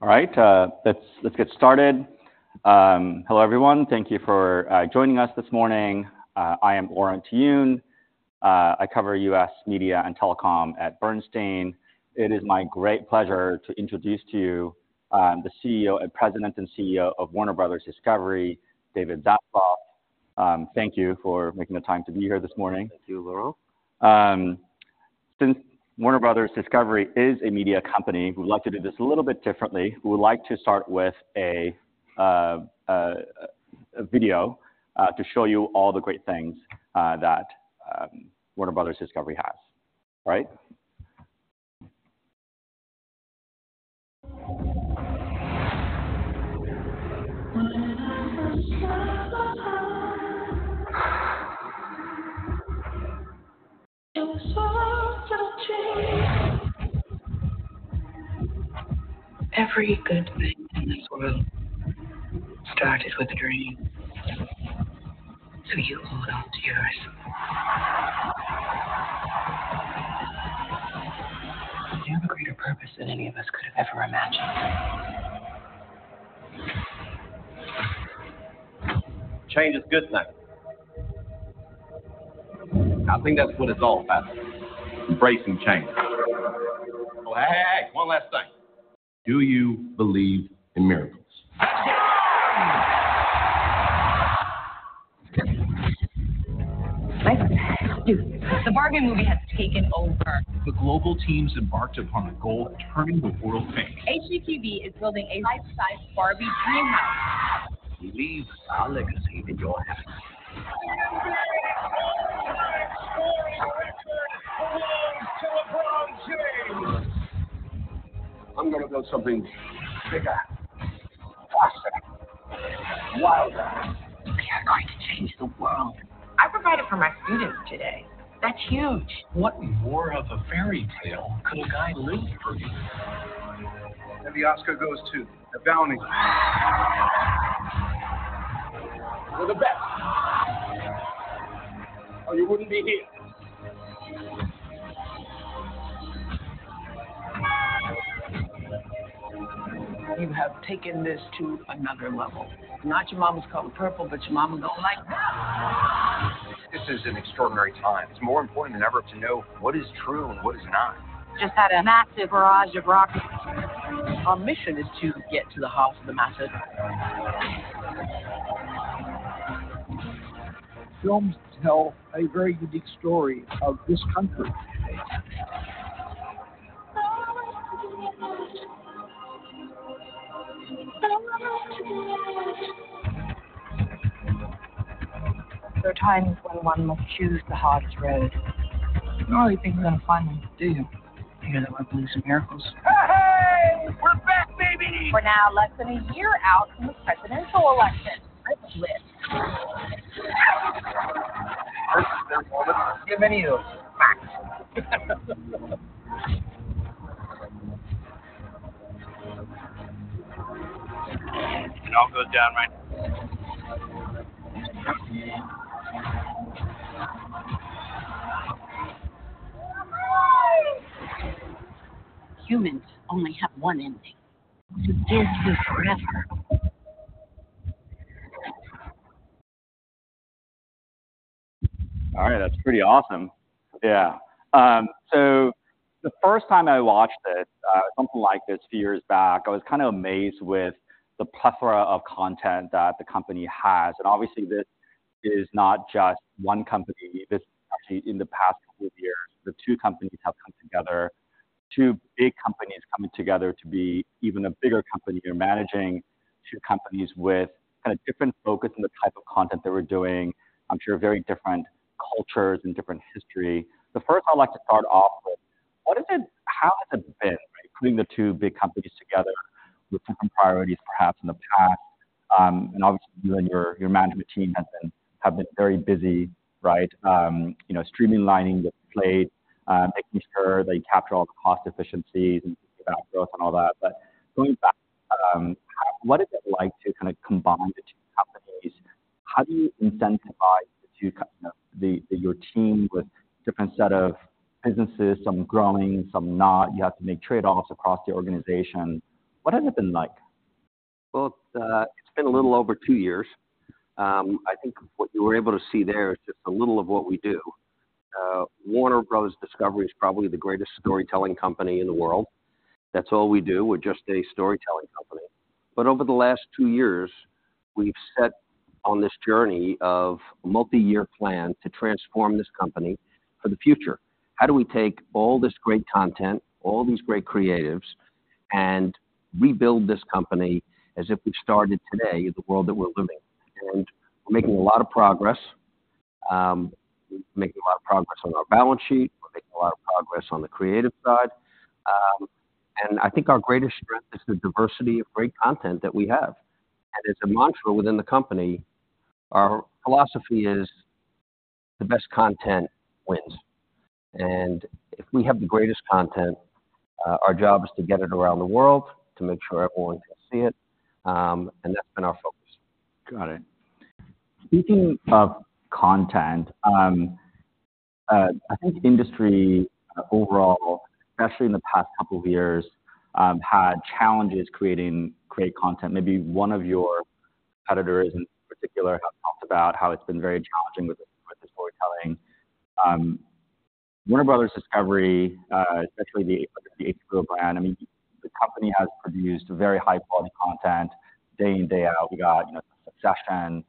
All right, let's, let's get started. Hello, everyone. Thank you for joining us this morning. I am Laurent Yoon. I cover U.S. media and telecom at Bernstein. It is my great pleasure to introduce to you, the CEO and President and CEO of Warner Brothers Discovery, David Zaslav. Thank you for making the time to be here this morning. Thank you, Laurent. Since Warner Brothers Discovery is a media company, we would like to do this a little bit differently. We would like to start with a video to show you all the great things that Warner Brothers Discovery has. All right? Every good thing in this world started with a dream, so you hold on to yours. You have a greater purpose than any of us could have ever imagined. Change is a good thing. I think that's what it's all about, embracing change. Oh, hey, hey, hey! One last thing. Do you believe in miracles? The Barbie movie has taken over. The global teams embarked upon a goal of turning the world pink. HGTV is building a life-size Barbie dream house. We leave our legacy in your hands. The NBA's all-time scoring record belongs to LeBron James. I'm gonna build something bigger, faster, wilder. We are going to change the world. I provided for my students today. That's huge! What more of a fairy tale could a guy live for? The Oscar goes to The Bounty. You're the best, or you wouldn't be here. You have taken this to another level. Not Your Mama's Color Purple, but your mama gonna like that. This is an extraordinary time. It's more important than ever to know what is true and what is not. Just had a massive barrage of rockets. Our mission is to get to the heart of the matter. Films tell a very unique story of this country. There are times when one must choose the hardest road. You really think we're gonna find them, do you? I guess I might believe some miracles. Hey, hey, we're back, baby! We're now less than a year out from the presidential election. Let's lift. How many of those? It all goes down, right? Humans only have one ending. To give to forever. All right. That's pretty awesome. Yeah. So the first time I watched this, something like this a few years back, I was kind of amazed with the plethora of content that the company has. Obviously, this is not just one company. This actually, in the past couple of years, the two companies have come together, two big companies coming together to be even a bigger company. You're managing two companies with kind of different focus on the type of content they were doing, I'm sure very different cultures and different history. But first, I'd like to start off with, what is it—how has it been, right, putting the two big companies together with different priorities, perhaps in the past? And obviously, you and your, your management team has been, have been very busy, right? You know, streamlining the plate, making sure they capture all the cost efficiencies and balance growth and all that. But going back, what is it like to kind of combine the two companies? How do you incentivize your team with different set of businesses, some growing, some not, you have to make trade-offs across the organization. What has it been like? Well, it's been a little over two years. I think what you were able to see there is just a little of what we do. Warner Brothers Discovery is probably the greatest storytelling company in the world. That's all we do. We're just a storytelling company. But over the last two years, we've set on this journey of a multi-year plan to transform this company for the future. How do we take all this great content, all these great creatives, and rebuild this company as if we started today in the world that we're living in? And we're making a lot of progress. We're making a lot of progress on our balance sheet. We're making a lot of progress on the creative side. And I think our greatest strength is the diversity of great content that we have. As a mantra within the company, our philosophy is, the best content wins. And if we have the greatest content, our job is to get it around the world, to make sure everyone can see it. And that's been our focus. Got it... Speaking of content, I think industry overall, especially in the past couple of years, had challenges creating great content. Maybe one of your competitors, in particular, have talked about how it's been very challenging with, with the storytelling. Warner Brothers Discovery, especially the, the HBO brand, I mean, the company has produced very high-quality content day in, day out. We got, you know, Succession,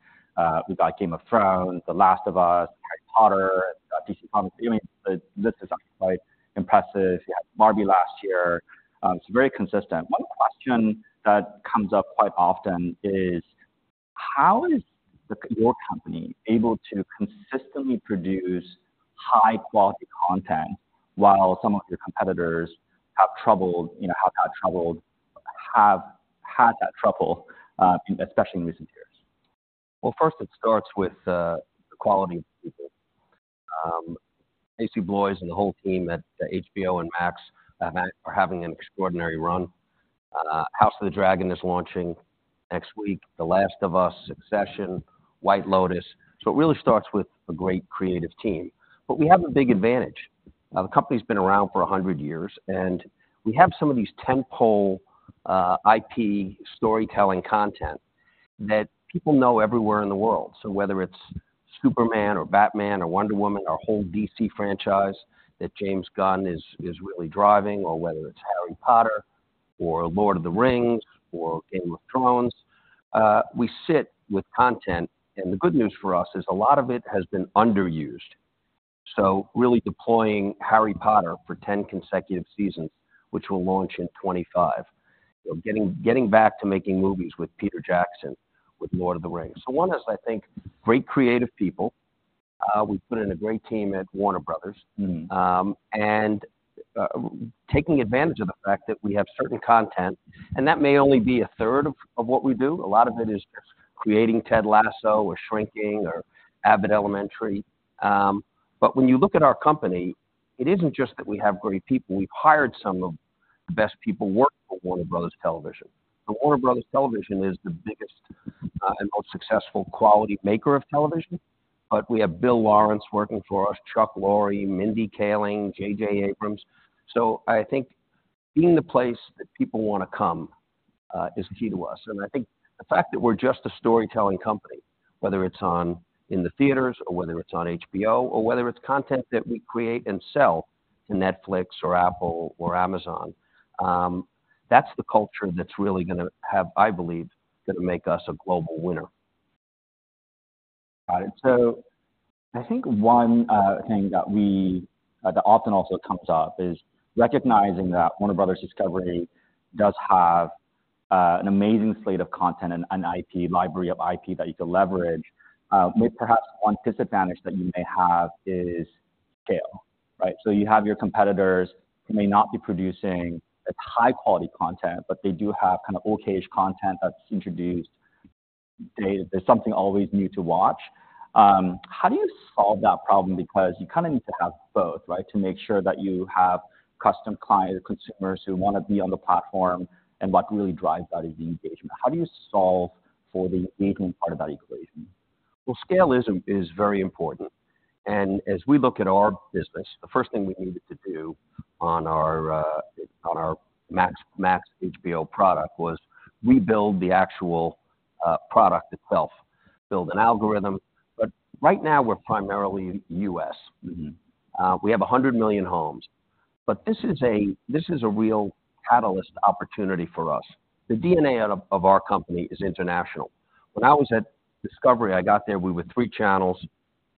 we've got Game of Thrones, The Last of Us, Harry Potter, DC Comics. I mean, the list is quite impressive. You had Barbie last year. It's very consistent. One question that comes up quite often is: How is the-- your company able to consistently produce high-quality content while some of your competitors have trouble, you know, have had trouble, have had that trouble, especially in recent years? Well, first, it starts with the quality of people. Casey Bloys and the whole team at HBO and Max, Max are having an extraordinary run. House of the Dragon is launching next week, The Last of Us, Succession, White Lotus. So it really starts with a great creative team. But we have a big advantage. The company's been around for 100 years, and we have some of these tentpole, IP storytelling content that people know everywhere in the world. So whether it's Superman or Batman or Wonder Woman or whole DC franchise that James Gunn is really driving, or whether it's Harry Potter or Lord of the Rings or Game of Thrones, we sit with content, and the good news for us is a lot of it has been underused. So really deploying Harry Potter for 10 consecutive seasons, which will launch in 2025. We're getting back to making movies with Peter Jackson, with Lord of the Rings. So one is, I think, great creative people. We've put in a great team at Warner Brothers. Mm-hmm. Taking advantage of the fact that we have certain content, and that may only be a third of what we do. A lot of it is just creating Ted Lasso or Shrinking or Abbott Elementary. But when you look at our company, it isn't just that we have great people. We've hired some of the best people working for Warner Brothers Television. So Warner Brothers Television is the biggest and most successful quality maker of television, but we have Bill Lawrence working for us, Chuck Lorre, Mindy Kaling, J.J. Abrams. So I think being the place that people wanna come is key to us. I think the fact that we're just a storytelling company, whether it's on in the theaters or whether it's on HBO, or whether it's content that we create and sell to Netflix or Apple or Amazon, that's the culture that's really gonna have, I believe, gonna make us a global winner. Got it. So I think one thing that often also comes up is recognizing that Warner Brothers Discovery does have an amazing slate of content and an IP library of IP that you can leverage. May perhaps one disadvantage that you may have is scale, right? So you have your competitors who may not be producing as high-quality content, but they do have kind of okay-ish content that's introduced. There's something always new to watch. How do you solve that problem? Because you kinda need to have both, right? To make sure that you have custom client consumers who wanna be on the platform, and what really drives that is the engagement. How do you solve for the engagement part of that equation? Well, scale is very important. As we look at our business, the first thing we needed to do on our Max, Max HBO product was rebuild the actual product itself, build an algorithm. But right now, we're primarily U.S. Mm-hmm. We have 100 million homes, but this is a real catalyst opportunity for us. The DNA of our company is international. When I was at Discovery, I got there, we were three channels.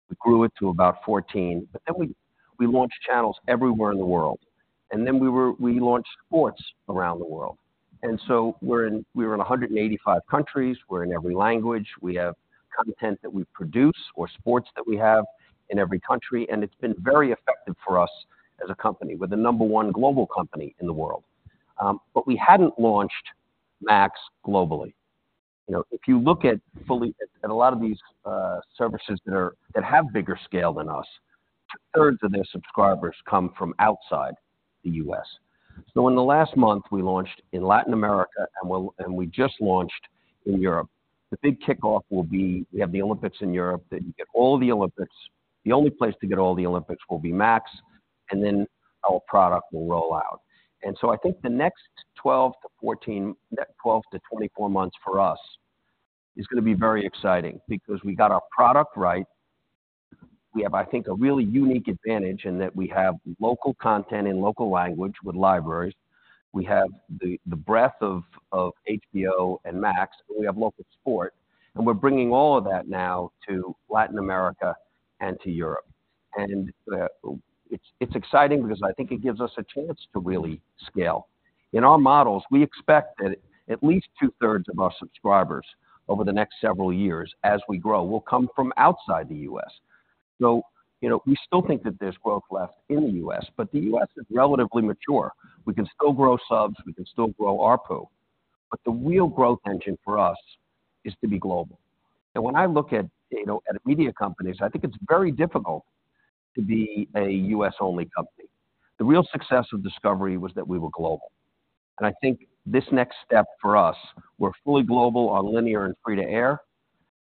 We grew it to about 14, but then we launched channels everywhere in the world, and then we launched sports around the world. So we're in 185 countries. We're in every language. We have content that we produce or sports that we have in every country, and it's been very effective for us as a company. We're the number one global company in the world. But we hadn't launched Max globally. You know, if you look at a lot of these services that have bigger scale than us, two-thirds of their subscribers come from outside the U.S. So in the last month, we launched in Latin America, and we just launched in Europe. The big kickoff will be, we have the Olympics in Europe, that you get all the Olympics. The only place to get all the Olympics will be Max, and then our product will roll out. And so I think the next 12-14, 12-24 months for us is gonna be very exciting because we got our product right. We have, I think, a really unique advantage in that we have local content in local language with libraries. We have the breadth of HBO and Max, and we have local sport, and we're bringing all of that now to Latin America and to Europe. It's exciting because I think it gives us a chance to really scale. In our models, we expect that at least two-thirds of our subscribers over the next several years, as we grow, will come from outside the U.S. So, you know, we still think that there's growth left in the U.S., but the U.S. is relatively mature. We can still grow subs, we can still grow ARPU, but the real growth engine for us is to be global. When I look at, you know, at media companies, I think it's very difficult to be a U.S.-only company. The real success of Discovery was that we were global. I think this next step for us, we're fully global on linear and free to air.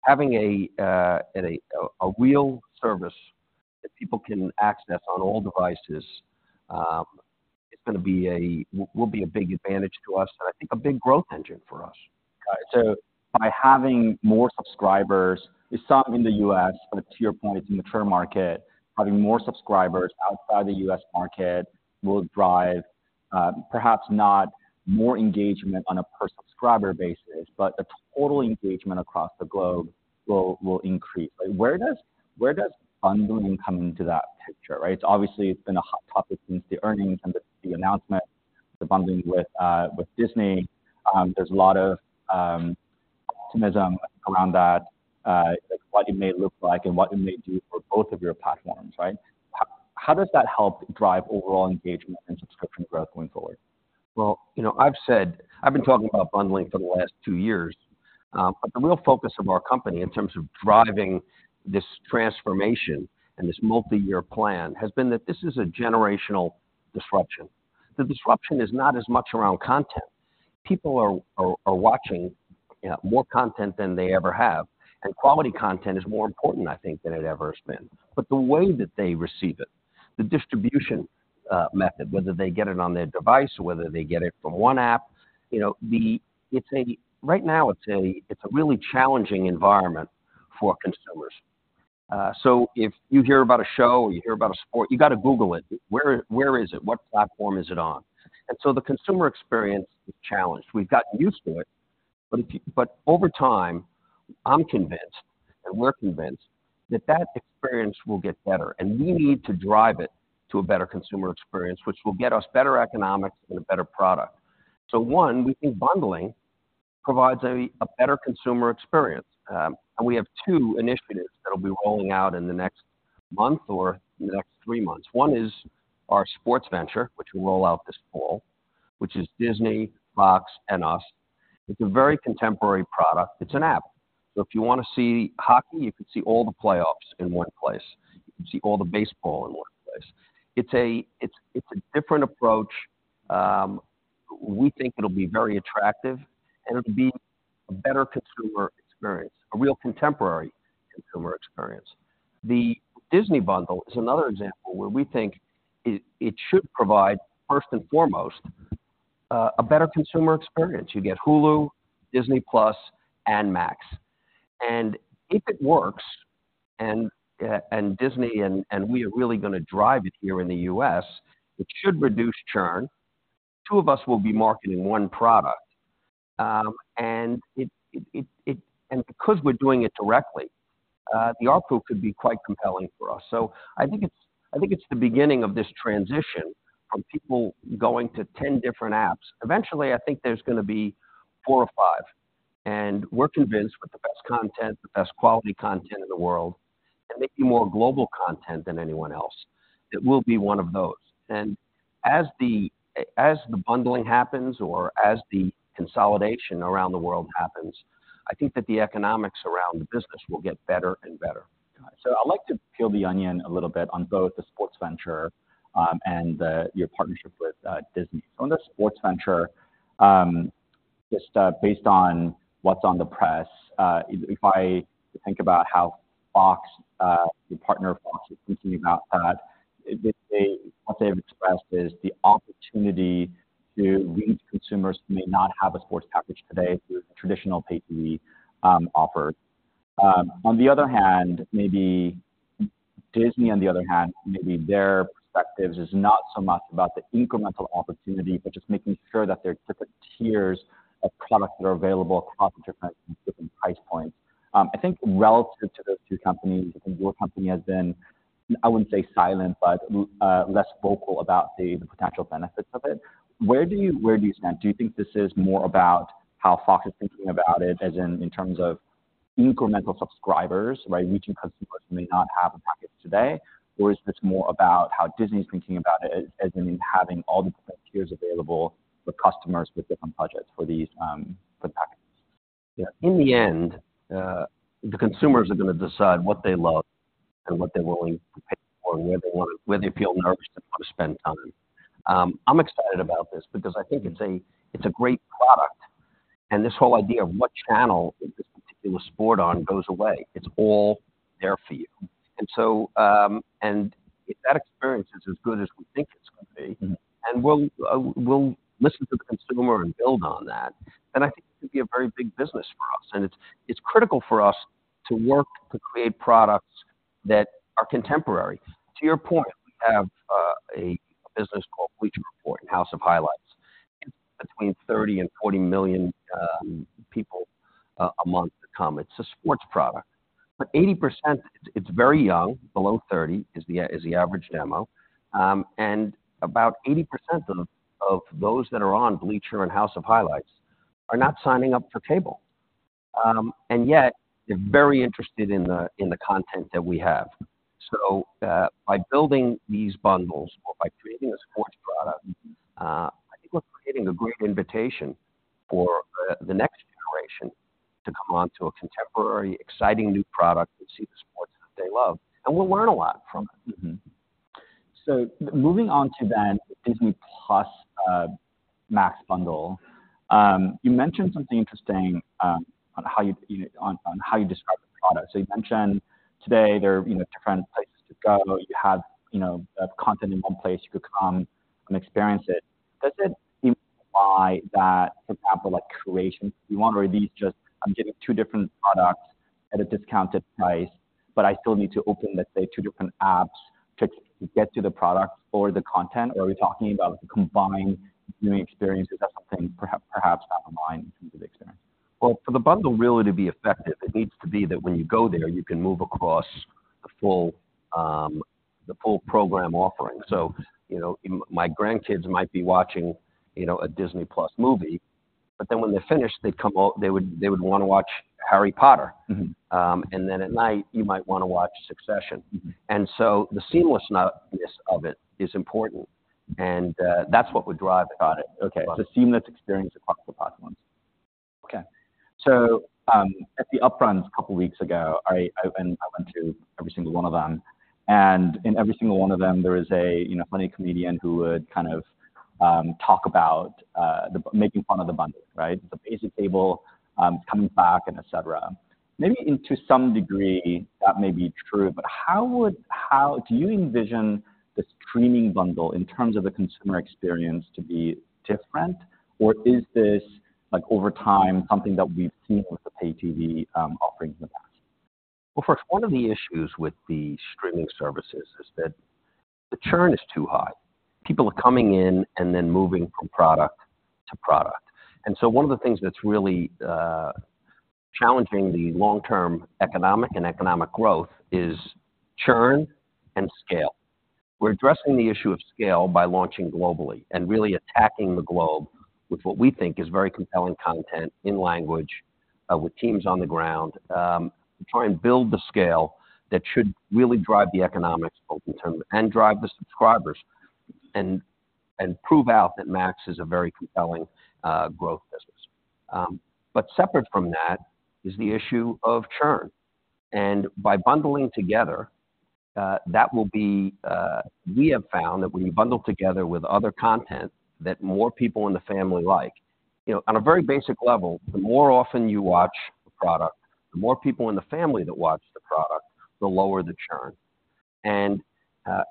Having a real service that people can access on all devices will be a big advantage to us, and I think a big growth engine for us. Got it. So by having more subscribers, we saw it in the U.S., but to your point, it's in the churn market, having more subscribers outside the U.S. market will drive, perhaps not more engagement on a per subscriber basis, but the total engagement across the globe will, will increase. Like, where does bundling come into that picture, right? So obviously, it's been a hot topic since the earnings and the announcement, the bundling with, with Disney. There's a lot of optimism around that, like what it may look like and what it may do for both of your platforms, right? How does that help drive overall engagement and subscription growth going forward? Well, you know, I've said. I've been talking about bundling for the last two years. But the real focus of our company in terms of driving this transformation and this multi-year plan, has been that this is a generational disruption. The disruption is not as much around content. People are watching more content than they ever have, and quality content is more important, I think, than it ever has been. But the way that they receive it, the distribution method, whether they get it on their device or whether they get it from one app, you know. Right now, it's a really challenging environment for consumers. So if you hear about a show, or you hear about a sport, you gotta Google it. Where is it? What platform is it on? And so the consumer experience is challenged. We've gotten used to it, but over time, I'm convinced, and we're convinced, that that experience will get better, and we need to drive it to a better consumer experience, which will get us better economics and a better product. So one, we think bundling provides a better consumer experience. And we have two initiatives that'll be rolling out in the next month or in the next three months. One is our sports venture, which we'll roll out this fall, which is Disney, Fox, and us. It's a very contemporary product. It's an app. So if you wanna see hockey, you can see all the playoffs in one place. You can see all the baseball in one place. It's a different approach. We think it'll be very attractive, and it'll be a better consumer experience, a real contemporary consumer experience. The Disney bundle is another example where we think it should provide, first and foremost, a better consumer experience. You get Hulu, Disney+, and Max. And if it works, and Disney and we are really gonna drive it here in the U.S., it should reduce churn. Two of us will be marketing one product. And because we're doing it directly, the ARPU could be quite compelling for us. So I think it's the beginning of this transition from people going to 10 different apps. Eventually, I think there's gonna be four or five, and we're convinced, with the best content, the best quality content in the world, and maybe more global content than anyone else, it will be one of those. And as the bundling happens or as the consolidation around the world happens, I think that the economics around the business will get better and better. Got it. So I'd like to peel the onion a little bit on both the sports venture and your partnership with Disney. So on the sports venture, just based on what's on the press, if I think about how Fox, your partner, Fox, is thinking about that, what they have expressed is the opportunity to reach consumers who may not have a sports package today through a traditional pay-TV offer. On the other hand, maybe Disney, on the other hand, maybe their perspective is not so much about the incremental opportunity, but just making sure that there are different tiers of products that are available across different price points. I think relative to those two companies, I think your company has been. I wouldn't say silent, but less vocal about the potential benefits of it. Where do you, where do you stand? Do you think this is more about how Fox is thinking about it, as in, in terms of incremental subscribers, by reaching customers who may not have a package today? Or is this more about how Disney is thinking about it as, as in having all the different tiers available for customers with different budgets for these, for the packages? Yeah. In the end, the consumers are gonna decide what they love and what they're willing to pay for and where they feel nourished and wanna spend time. I'm excited about this because I think it's a, it's a great product, and this whole idea of what channel is this particular sport on goes away. It's all there for you. And so, and if that experience is as good as we think it's gonna be- Mm. and we'll listen to the consumer and build on that, then I think it could be a very big business for us. And it's critical for us to work to create products that are contemporary. To your point, we have a business called Bleacher Report and House of Highlights. Between 30 and 40 million people a month come. It's a sports product. But 80%, it's very young, below 30 is the average demo. And about 80% of those that are on Bleacher and House of Highlights are not signing up for cable. And yet, they're very interested in the content that we have. So, by building these bundles or by creating a sports product, I think we're creating a great invitation for the next generation to come on to a contemporary, exciting new product and see the sports they love, and we'll learn a lot from it. Mm-hmm. So moving on to the Disney+, Max bundle. You mentioned something interesting, on how you, you know, on how you describe the product. So you mentioned today there are, you know, different places to go. You have, you know, content in one place. You could come and experience it. Does it imply that, for example, like creation, you want to release just, "I'm getting two different products at a discounted price, but I still need to open, let's say, two different apps to get to the product or the content?" Or are we talking about combining new experiences? That's something perhaps, perhaps down the line from the experience. Well, for the bundle really to be effective, it needs to be that when you go there, you can move across the full, the full program offering. So, you know, my grandkids might be watching, you know, a Disney+ movie, but then when they're finished, they'd come, they would, they would wanna watch Harry Potter. Mm-hmm. And then at night, you might wanna watch Succession. Mm-hmm. So the seamlessness of it is important, and that's what would drive the product. Okay. So seamless experience across the platforms. Okay. So, at the Upfront a couple of weeks ago, I went to every single one of them, and in every single one of them, there was a, you know, funny comedian who would kind of talk about the making fun of the bundle, right? The basic cable coming back and et cetera. Maybe to some degree that may be true, but how would... How do you envision the streaming bundle in terms of the consumer experience to be different, or is this, like, over time, something that we've seen with the pay TV offering in the past? Well, first, one of the issues with the streaming services is that the churn is too high. People are coming in and then moving from product to product. And so one of the things that's really challenging the long-term economic and economic growth is churn and scale. We're addressing the issue of scale by launching globally and really attacking the globe with what we think is very compelling content in language with teams on the ground to try and build the scale that should really drive the economics both in terms of- and drive the subscribers and prove out that Max is a very compelling growth business. But separate from that is the issue of churn, and by bundling together that will be... We have found that when you bundle together with other content that more people in the family like, you know, on a very basic level, the more often you watch a product, the more people in the family that watch the product, the lower the churn. And,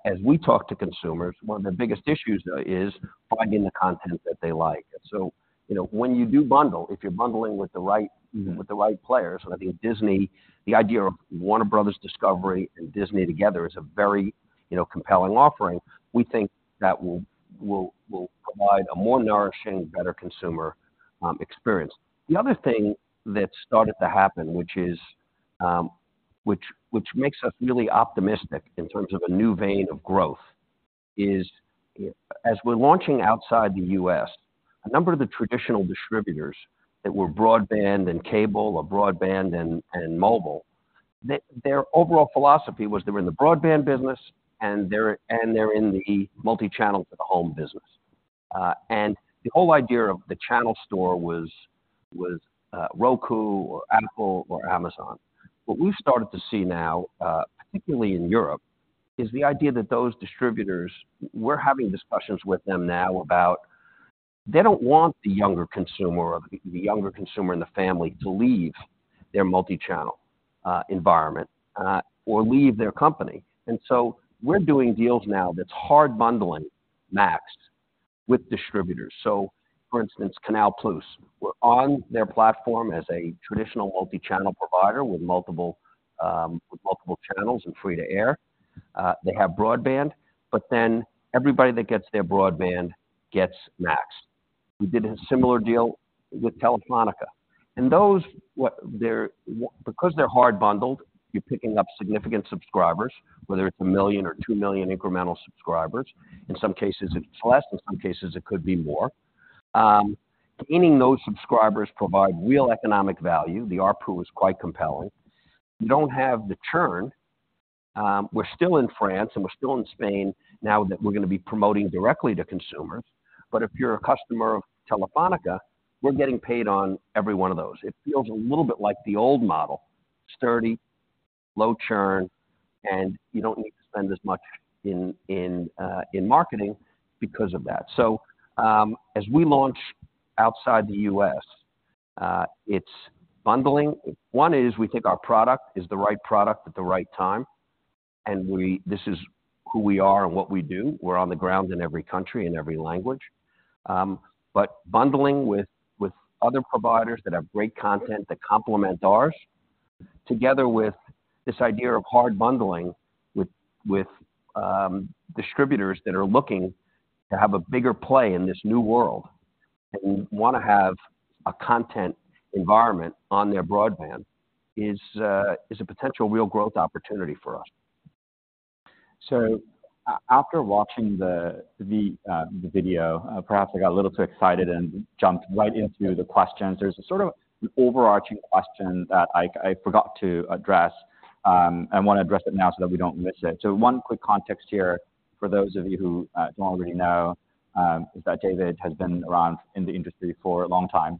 as we talk to consumers, one of the biggest issues is finding the content that they like. So, you know, when you do bundle, if you're bundling with the right- Mm-hmm... with the right players, whether it be a Disney, the idea of Warner Brothers Discovery and Disney together is a very, you know, compelling offering. We think that will provide a more nourishing, better consumer experience. The other thing that started to happen, which makes us really optimistic in terms of a new vein of growth, is as we're launching outside the U.S., a number of the traditional distributors that were broadband and cable or broadband and mobile, their overall philosophy was they were in the broadband business, and they're in the multi-channel for the home business. And the whole idea of the channel store was Roku or Apple or Amazon. What we've started to see now, particularly in Europe, is the idea that those distributors, we're having discussions with them now about they don't want the younger consumer or the younger consumer in the family to leave their multi-channel environment or leave their company. And so we're doing deals now that's hard bundling Max with distributors. So for instance, Canal+, we're on their platform as a traditional multi-channel provider with multiple channels and free-to-air. They have broadband, but then everybody that gets their broadband gets Max. We did a similar deal with Telefónica, and those... Because they're hard bundled, you're picking up significant subscribers, whether it's 1 million or 2 million incremental subscribers. In some cases, it's less. In some cases, it could be more. Gaining those subscribers provide real economic value. The ARPU is quite compelling. You don't have the churn. We're still in France, and we're still in Spain, now that we're gonna be promoting directly to consumers. But if you're a customer of Telefónica, we're getting paid on every one of those. It feels a little bit like the old model: sturdy, low churn, and you don't need to spend as much in marketing because of that. So, as we launch outside the U.S., it's bundling. One is we think our product is the right product at the right time, and we- this is who we are and what we do. We're on the ground in every country and every language. But bundling with other providers that have great content, that complement ours, together with this idea of hard bundling with distributors that are looking to have a bigger play in this new world and want to have a content environment on their broadband, is a potential real growth opportunity for us. So after watching the video, perhaps I got a little too excited and jumped right into the questions. There's a sort of an overarching question that I forgot to address, and I want to address it now so that we don't miss it. So one quick context here, for those of you who don't already know, is that David has been around in the industry for a long time.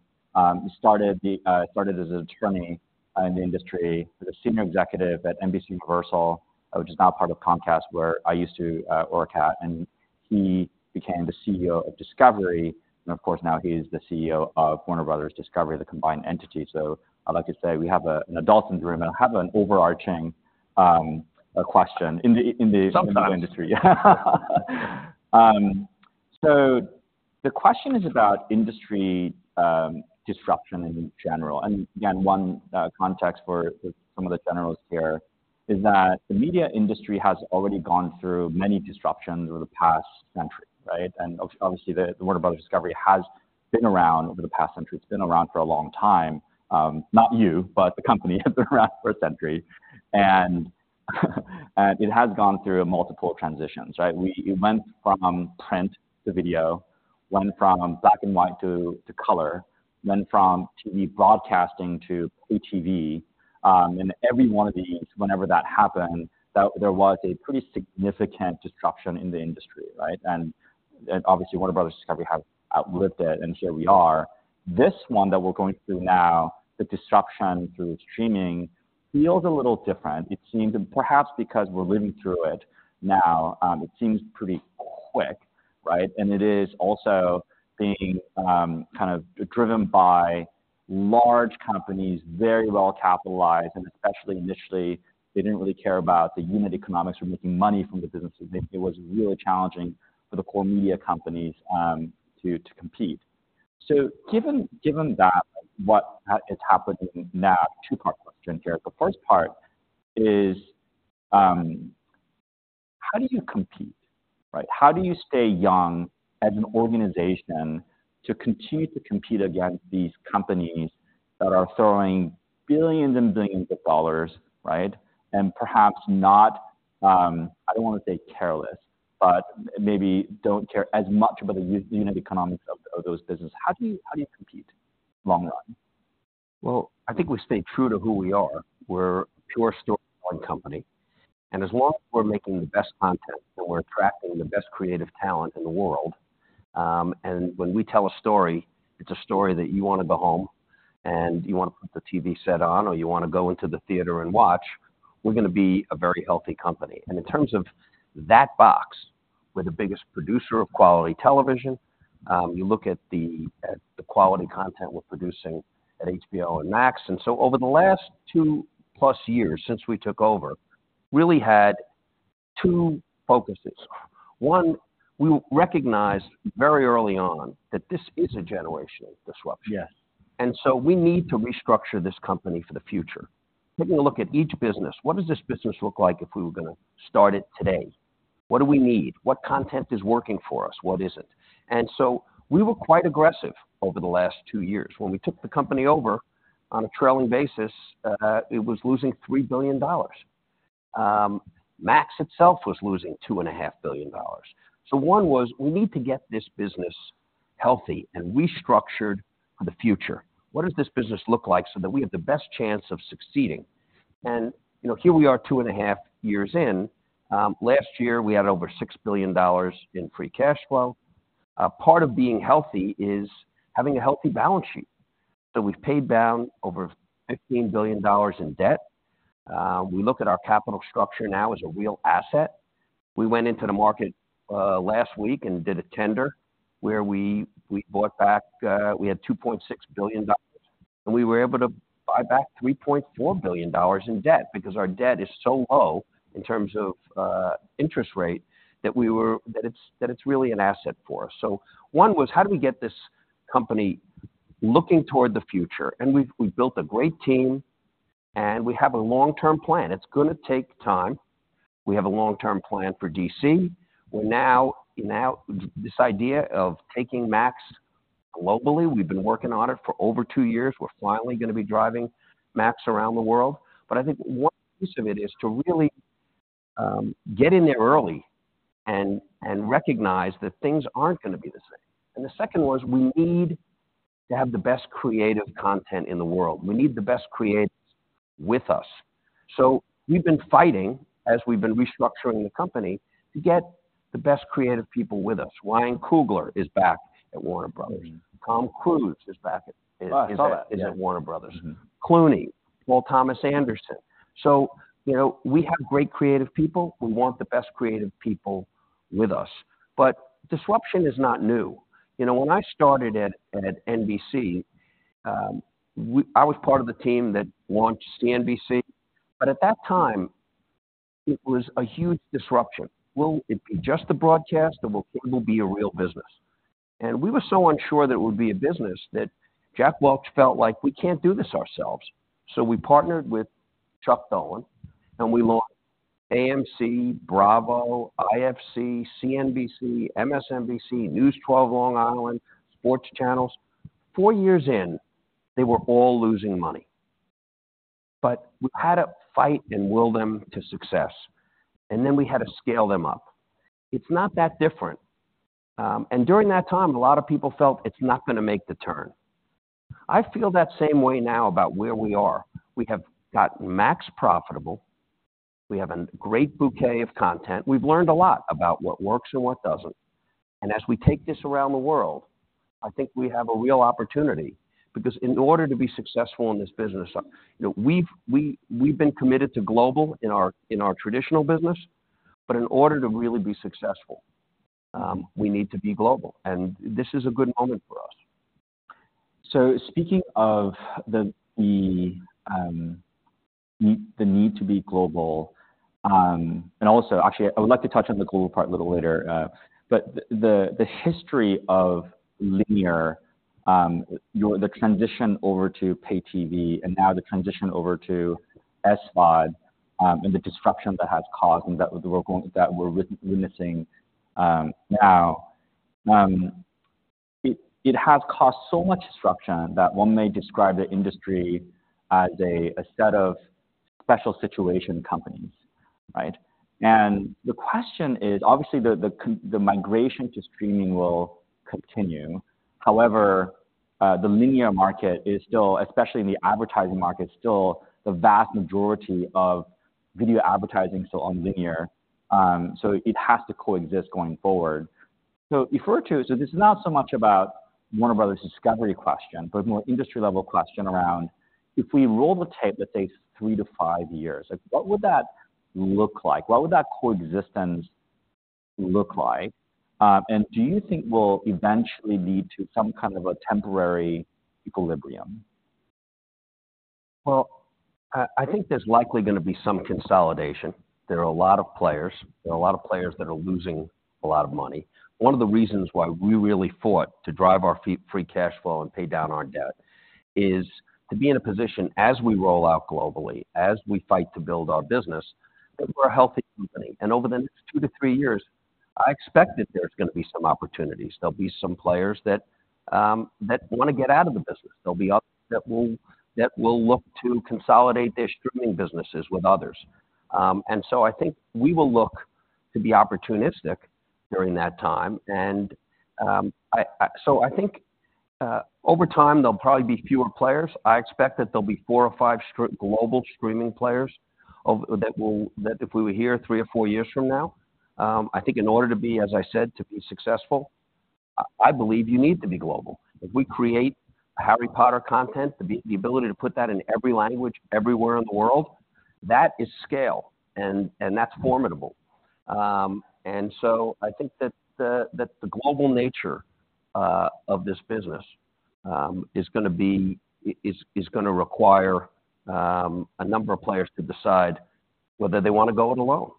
He started as an attorney in the industry, was a senior executive at NBCUniversal, which is now part of Comcast, where I used to work, and he became the CEO of Discovery, and of course, now he is the CEO of Warner Brothers Discovery, the combined entity. So I'd like to say we have an adult in the room, and I have an overarching question in the industry. So the question is about industry disruption in general. And again, one context for some of the generals here is that the media industry has already gone through many disruptions over the past century, right? And obviously, the Warner Brothers Discovery has been around over the past century. It's been around for a long time, not you, but the company has been around for a century, and it has gone through multiple transitions, right? It went from print to video, went from black and white to color, went from TV broadcasting to pay TV. And every one of these, whenever that happened, that there was a pretty significant disruption in the industry, right? And obviously, Warner Brothers Discovery has outlived it, and here we are. This one that we're going through now, the disruption through streaming, feels a little different. It seems, perhaps because we're living through it now, it seems pretty quick, right? And it is also being kind of driven by large companies, very well capitalized, and especially initially, they didn't really care about the unit economics or making money from the businesses. It was really challenging for the core media companies to compete. So given that, what is happening now, two-part question here. The first part is, how do you compete? Right, how do you stay young as an organization to continue to compete against these companies that are throwing billions and billions of dollars, right? Perhaps not, I don't wanna say careless, but maybe don't care as much about the unit economics of those businesses. How do you, how do you compete long run? Well, I think we stay true to who we are. We're a pure storytelling company, and as long as we're making the best content and we're attracting the best creative talent in the world, and when we tell a story, it's a story that you wanna go home and you wanna put the TV set on, or you wanna go into the theater and watch, we're gonna be a very healthy company. And in terms of that box, we're the biggest producer of quality television. You look at the quality content we're producing at HBO and Max. And so over the last 2+ years, since we took over, really had two focuses. One, we recognized very early on that this is a generational disruption. Yes. And so we need to restructure this company for the future. Taking a look at each business, what does this business look like if we were gonna start it today? What do we need? What content is working for us? What isn't? And so we were quite aggressive over the last two years. When we took the company over on a trailing basis, it was losing $3 billion. Max itself was losing $2.5 billion. So one was, we need to get this business healthy and restructured for the future. What does this business look like so that we have the best chance of succeeding? And, you know, here we are, 2.5 years in. Last year, we had over $6 billion in free cash flow. Part of being healthy is having a healthy balance sheet. So we've paid down over $15 billion in debt. We look at our capital structure now as a real asset. We went into the market last week and did a tender, where we bought back. We had $2.6 billion, and we were able to buy back $3.4 billion in debt, because our debt is so low in terms of interest rate, that it's really an asset for us. So one was: How do we get this company looking toward the future? We've built a great team, and we have a long-term plan. It's gonna take time. We have a long-term plan for DC. This idea of taking Max globally, we've been working on it for over two years. We're finally gonna be driving Max around the world. But I think one piece of it is to really get in there early and recognize that things aren't gonna be the same. And the second was, we need to have the best creative content in the world. We need the best creatives with us. So we've been fighting, as we've been restructuring the company, to get the best creative people with us. Ryan Coogler is back at Warner Brothers. Tom Cruise is back at- Oh, I saw that. is at Warner Brothers. Clooney, Paul Thomas Anderson. So you know, we have great creative people. We want the best creative people with us. But disruption is not new. You know, when I started at NBC, I was part of the team that launched CNBC, but at that time, it was a huge disruption. Will it be just a broadcast, or will it be a real business? And we were so unsure that it would be a business, that Jack Welch felt like we can't do this ourselves. So we partnered with Chuck Dolan, and we launched AMC, Bravo, IFC, CNBC, MSNBC, News 12 Long Island, sports channels. Four years in, they were all losing money, but we had to fight and will them to success, and then we had to scale them up. It's not that different. And during that time, a lot of people felt it's not gonna make the turn. I feel that same way now about where we are. We have got Max profitable. We have a great bouquet of content. We've learned a lot about what works and what doesn't. And as we take this around the world... I think we have a real opportunity, because in order to be successful in this business, you know, we've been committed to global in our traditional business. But in order to really be successful, we need to be global, and this is a good moment for us. So speaking of the need to be global, and also—actually, I would like to touch on the global part a little later. But the history of linear, the transition over to pay TV, and now the transition over to SVOD, and the disruption that has caused, and that we're witnessing now. It has caused so much disruption that one may describe the industry as a set of special situation companies, right? And the question is, obviously, the migration to streaming will continue. However, the linear market is still, especially in the advertising market, still the vast majority of video advertising, so on linear. So it has to coexist going forward. So this is not so much about Warner Brothers. Discovery question, but more industry-level question around, if we roll the tape that takes 3-5 years, like, what would that look like? What would that coexistence look like? And do you think will eventually lead to some kind of a temporary equilibrium? Well, I think there's likely gonna be some consolidation. There are a lot of players. There are a lot of players that are losing a lot of money. One of the reasons why we really fought to drive our Free Cash Flow and pay down our debt is to be in a position, as we roll out globally, as we fight to build our business, that we're a healthy company. And over the next 2-3 years, I expect that there's gonna be some opportunities. There'll be some players that wanna get out of the business. There'll be others that will look to consolidate their streaming businesses with others. And so I think we will look to be opportunistic during that time. So I think over time, there'll probably be fewer players. I expect that there'll be four or five global streaming players that if we were here three or four years from now, I think in order to be, as I said, to be successful, I believe you need to be global. If we create Harry Potter content, the ability to put that in every language, everywhere in the world, that is scale, and that's formidable. And so I think that the global nature of this business is gonna require a number of players to decide whether they wanna go it alone.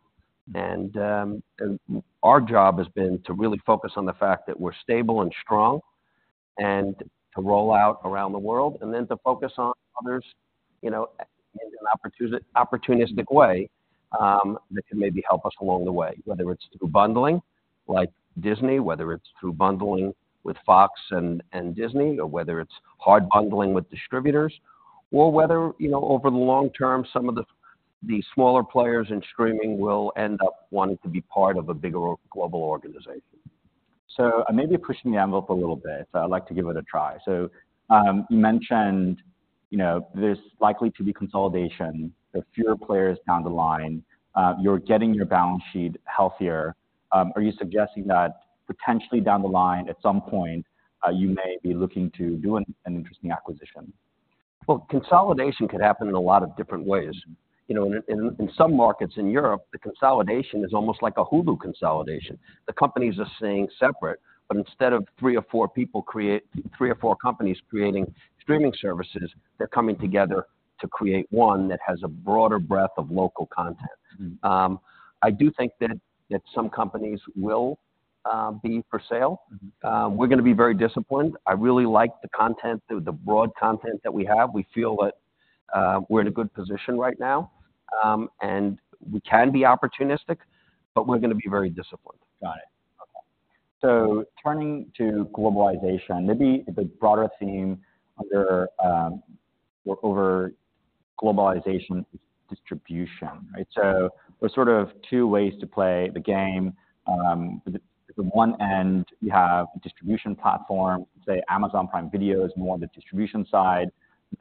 Our job has been to really focus on the fact that we're stable and strong, and to roll out around the world, and then to focus on others, you know, in an opportunistic way, that can maybe help us along the way, whether it's through bundling, like Disney, whether it's through bundling with Fox and Disney, or whether it's hard bundling with distributors, or whether, you know, over the long term, some of the smaller players in streaming will end up wanting to be part of a bigger global organization. So I may be pushing the envelope a little bit, so I'd like to give it a try. So, you mentioned, you know, there's likely to be consolidation, the fewer players down the line, you're getting your balance sheet healthier. Are you suggesting that potentially down the line, at some point, you may be looking to do an interesting acquisition? Well, consolidation could happen in a lot of different ways. You know, in some markets in Europe, the consolidation is almost like a Hulu consolidation. The companies are staying separate, but instead of three or four companies creating streaming services, they're coming together to create one that has a broader breadth of local content. Mm-hmm. I do think that some companies will be for sale. Mm-hmm. We're gonna be very disciplined. I really like the content, the, the broad content that we have. We feel that we're in a good position right now, and we can be opportunistic, but we're gonna be very disciplined. Got it. Okay. So turning to globalization, maybe the broader theme under or over globalization is distribution, right? So there's sort of two ways to play the game. The one end, you have distribution platform, say Amazon Prime Video is more on the distribution side.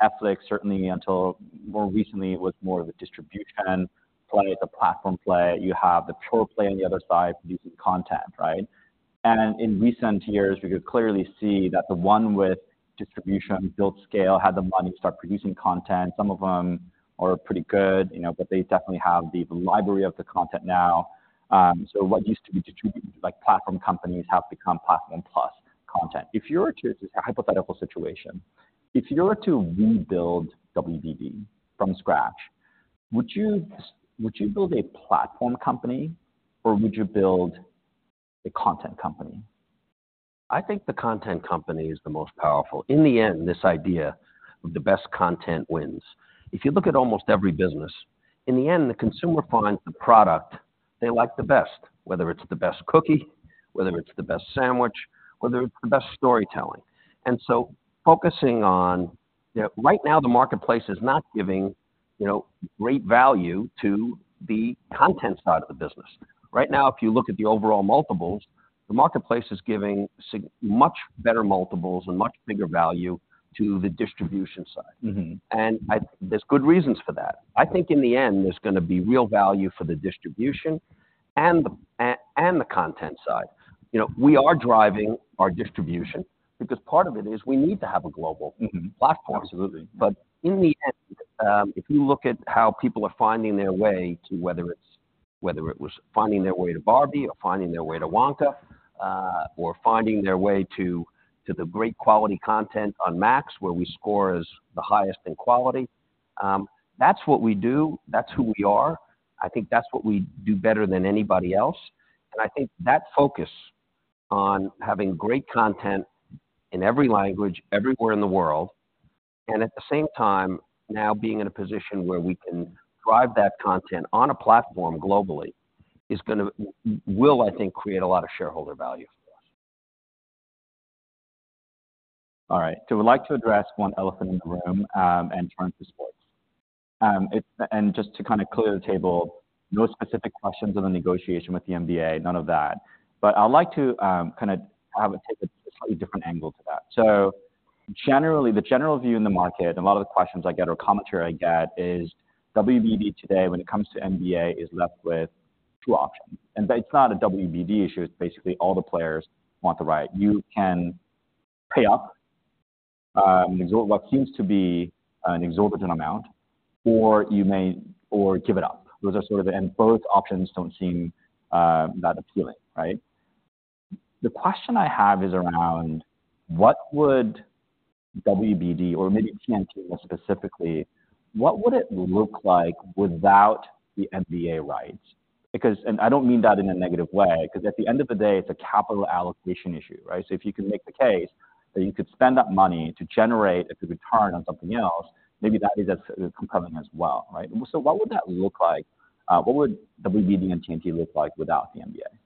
Netflix, certainly until more recently, it was more of a distribution play. It's a platform play. You have the pure play on the other side, producing content, right? And in recent years, we could clearly see that the one with distribution built scale, had the money to start producing content. Some of them are pretty good, you know, but they definitely have the library of the content now. So what used to be distributed, like platform companies, have become platform plus content. If you were to... Hypothetical situation: If you were to rebuild WBD from scratch, would you build a platform company, or would you build a content company? I think the content company is the most powerful. In the end, this idea of the best content wins. If you look at almost every business, in the end, the consumer finds the product they like the best, whether it's the best cookie, whether it's the best sandwich, whether it's the best storytelling. And so focusing on... You know, right now, the marketplace is not giving, you know, great value to the content side of the business. Right now, if you look at the overall multiples, the marketplace is giving much better multiples and much bigger value to the distribution side. Mm-hmm. And there's good reasons for that. I think in the end, there's gonna be real value for the distribution... and the content side. You know, we are driving our distribution because part of it is we need to have a global platform. Absolutely. But in the end, if you look at how people are finding their way to whether it was finding their way to Barbie or finding their way to Wonka, or finding their way to the great quality content on Max, where we score as the highest in quality, that's what we do, that's who we are. I think that's what we do better than anybody else. And I think that focus on having great content in every language, everywhere in the world, and at the same time now being in a position where we can drive that content on a platform globally, will, I think, create a lot of shareholder value. All right. So we'd like to address one elephant in the room and turn to sports. And just to kind of clear the table, no specific questions on the negotiation with the NBA, none of that. But I'd like to kind of take a slightly different angle to that. So generally, the general view in the market, and a lot of the questions I get or commentary I get, is WBD today, when it comes to NBA, is left with two options. But it's not a WBD issue, it's basically all the players want the right. You can pay up an exorbitant—what seems to be an exorbitant amount, or you may or give it up. Those are sort of, and both options don't seem that appealing, right? The question I have is around: What would WBD, or maybe TNT more specifically, what would it look like without the NBA rights? Because... And I don't mean that in a negative way, because at the end of the day, it's a capital allocation issue, right? So if you can make the case that you could spend that money to generate a good return on something else, maybe that is a compelling as well, right? So what would that look like? What would WBD and TNT look like without the NBA?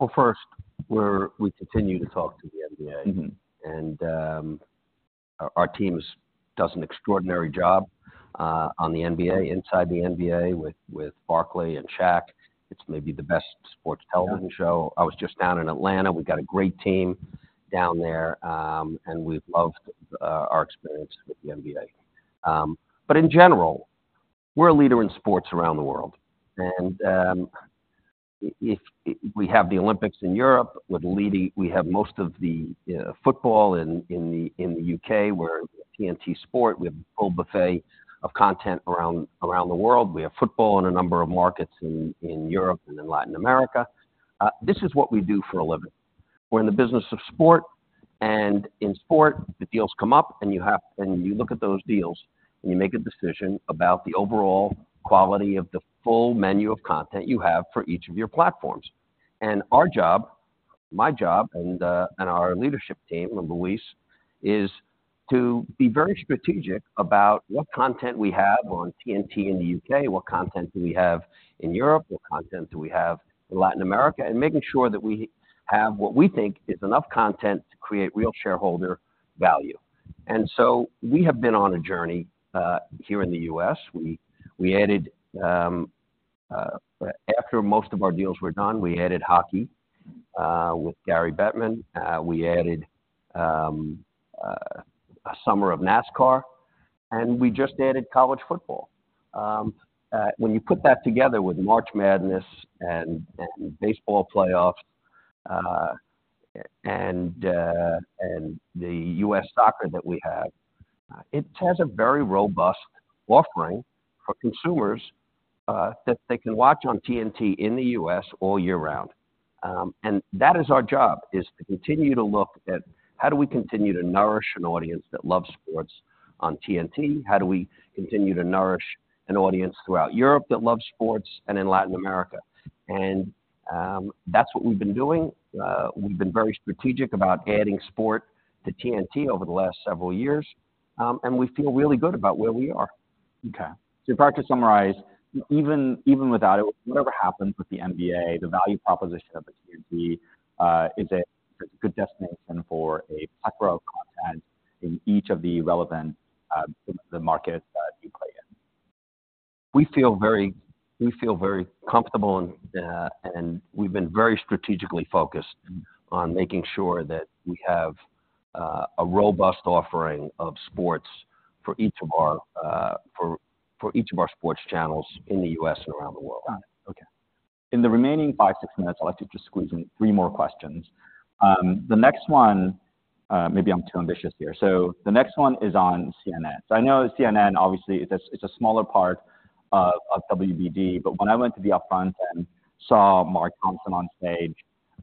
Well, first, we continue to talk to the NBA. Mm-hmm. Our teams does an extraordinary job on the NBA, Inside the NBA, with Barkley and Shaq. It's maybe the best sports television show. Yeah. I was just down in Atlanta. We've got a great team down there, and we've loved our experience with the NBA. But in general, we're a leader in sports around the world, and we have the Olympics in Europe, with leading we have most of the football in the U.K., where TNT Sports, we have a whole buffet of content around the world. We have football in a number of markets in Europe and in Latin America. This is what we do for a living. We're in the business of sport, and in sport, the deals come up, and you have and you look at those deals, and you make a decision about the overall quality of the full menu of content you have for each of your platforms. And our job, my job, and our leadership team, and Luis, is to be very strategic about what content we have on TNT in the U.K., what content do we have in Europe, what content do we have in Latin America, and making sure that we have what we think is enough content to create real shareholder value. And so we have been on a journey here in the U.S. We added, after most of our deals were done, we added hockey with Gary Bettman. We added a summer of NASCAR, and we just added college football. When you put that together with March Madness and baseball playoffs and the U.S. soccer that we have, it has a very robust offering for consumers that they can watch on TNT in the U.S. all year round. That is our job, is to continue to look at how do we continue to nourish an audience that loves sports on TNT? How do we continue to nourish an audience throughout Europe that loves sports and in Latin America? That's what we've been doing. We've been very strategic about adding sport to TNT over the last several years, and we feel really good about where we are. Okay. So if I were to summarize, even without it, whatever happens with the NBA, the value proposition of the TNT is a good destination for a plethora of content in each of the relevant markets that you play in. We feel very comfortable, and we've been very strategically focused- Mm-hmm. -on making sure that we have a robust offering of sports for each of our sports channels in the U.S. and around the world. Got it. Okay. In the remaining 5, 6 minutes, I'd like to just squeeze in 3 more questions. The next one, maybe I'm too ambitious here. So the next one is on CNN. So I know CNN, obviously, it's a, it's a smaller part of, of WBD, but when I went to the upfront and saw Mark Thompson on stage,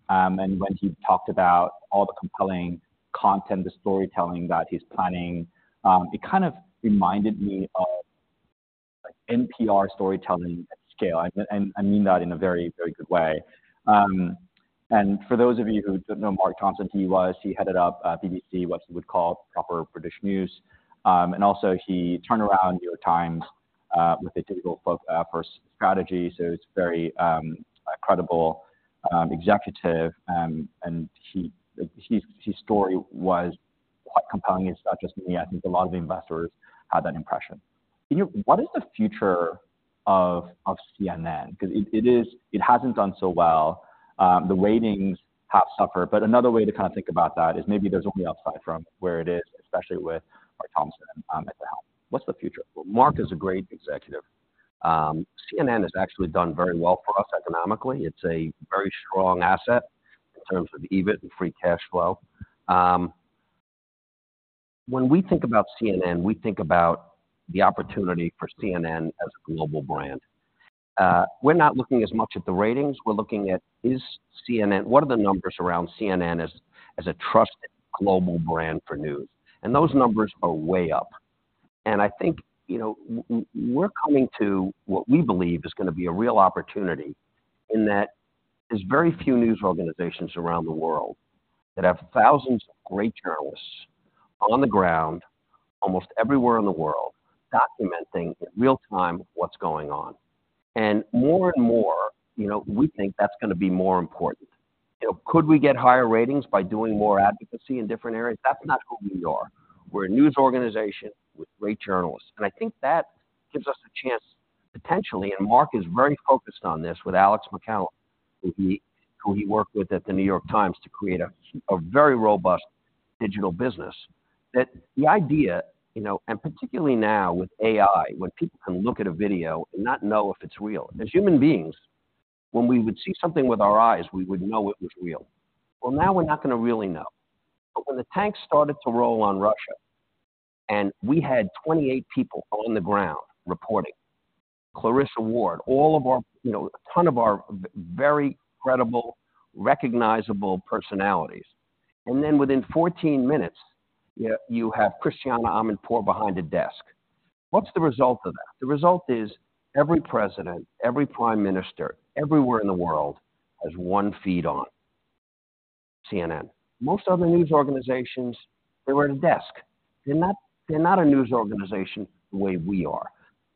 and when he talked about all the compelling content, the storytelling that he's planning, it kind of reminded me of NPR storytelling at scale. And, and I mean that in a very, very good way. And for those of you who don't know Mark Thompson, he was. He headed up, BBC, what you would call proper British news. And also he turned around New York Times, with a digital strategy. So he's a very credible executive, and his story was quite compelling. It's not just me, I think a lot of the investors had that impression. What is the future of CNN? Because it hasn't done so well. The ratings have suffered, but another way to kind of think about that is maybe there's only upside from where it is, especially with Mark Thompson at the helm. What's the future? Well, Mark is a great executive. CNN has actually done very well for us economically. It's a very strong asset in terms of EBIT and free cash flow. When we think about CNN, we think about the opportunity for CNN as a global brand. We're not looking as much at the ratings, we're looking at is CNN. What are the numbers around CNN as a trusted global brand for news? And those numbers are way up. And I think, you know, we're coming to what we believe is gonna be a real opportunity in that there's very few news organizations around the world that have thousands of great journalists on the ground, almost everywhere in the world, documenting in real time what's going on. And more and more, you know, we think that's gonna be more important. You know, could we get higher ratings by doing more advocacy in different areas? That's not who we are. We're a news organization with great journalists, and I think that gives us a chance, potentially, and Mark is very focused on this with Alex MacCallum, who he worked with at The New York Times to create a very robust digital business. That's the idea, you know, and particularly now with AI, when people can look at a video and not know if it's real. As human beings, when we would see something with our eyes, we would know it was real. Well, now we're not gonna really know. But when the tanks started to roll on Russia, and we had 28 people on the ground reporting. Clarissa Ward, all of our... You know, a ton of our very credible, recognizable personalities. And then within 14 minutes, you have Christiane Amanpour behind a desk. What's the result of that? The result is every president, every prime minister, everywhere in the world, has one feed on: CNN. Most other news organizations, they're at a desk. They're not, they're not a news organization the way we are.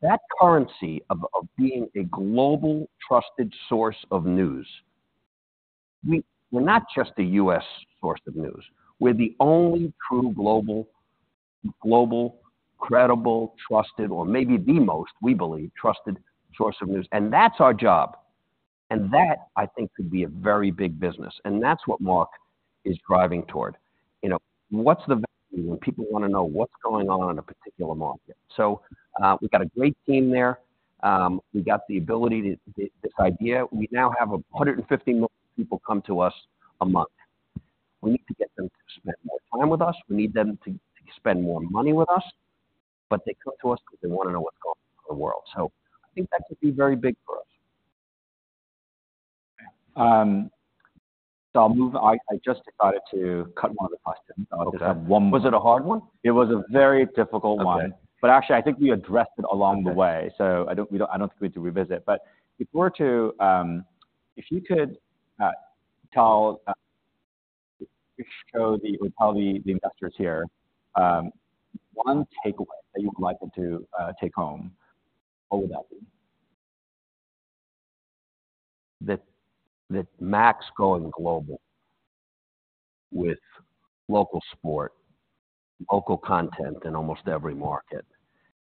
That currency of being a global, trusted source of news. We're not just a U.S. source of news. We're the only true global, credible, trusted, or maybe the most, we believe, trusted source of news, and that's our job. And that, I think, could be a very big business, and that's what Mark is driving toward. You know, what's the value when people wanna know what's going on in a particular market? So, we've got a great team there. We've got the ability to, this, this idea. We now have 150 million people come to us a month. We need to get them to spend more time with us. We need them to spend more money with us, but they come to us because they want to know what's going on in the world. So I think that could be very big for us. So I'll move on. I just decided to cut one of the questions. Okay. I'll just have one more. Was it a hard one? It was a very difficult one. Okay. But actually, I think we addressed it along the way. Okay. So I don't think we need to revisit. But if we're to, if you could tell the investors here one takeaway that you would like them to take home, what would that be? That Max going global with local sport, local content in almost every market,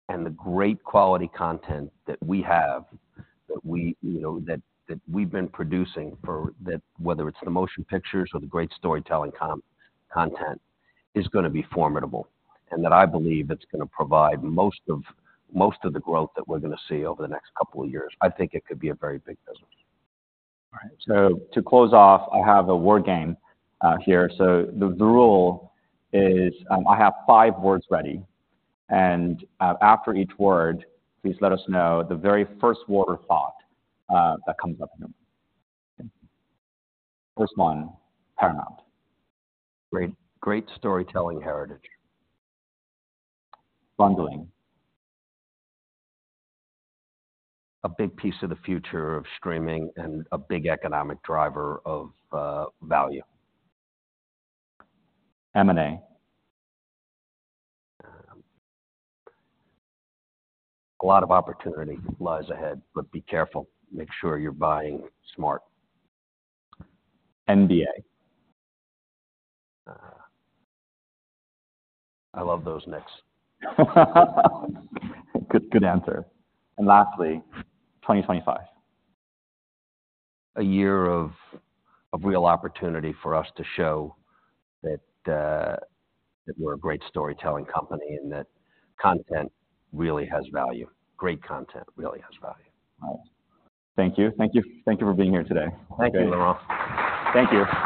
and the great quality content that we have, you know, that we've been producing for... That whether it's the motion pictures or the great storytelling content, is gonna be formidable. And that I believe it's gonna provide most of the growth that we're gonna see over the next couple of years. I think it could be a very big business. All right. So to close off, I have a word game here. So the rule is, I have five words ready, and after each word, please let us know the very first word or thought that comes up in your mind. First one, Paramount. Great, great storytelling heritage. Bundling. A big piece of the future of streaming and a big economic driver of value. M&A. A lot of opportunity lies ahead, but be careful. Make sure you're buying smart. NBA. I love those Knicks. Good, good answer. And lastly, 2025. A year of real opportunity for us to show that we're a great storytelling company and that content really has value. Great content really has value. All right. Thank you. Thank you. Thank you for being here today. Thank you. Thank you.